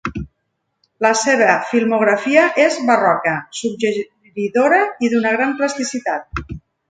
La seva filmografia és barroca, suggeridora i d'una gran plasticitat.